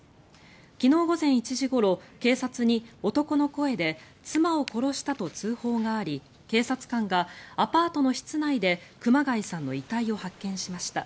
昨日午前１時ごろ、警察に男の声で妻を殺したと通報があり警察官がアパートの室内で熊谷さんの遺体を発見しました。